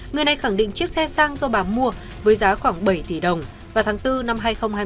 người này khẳng định chiếc xe sang do bà mua với giá khoảng bảy tỷ đồng vào tháng bốn năm hai nghìn hai mươi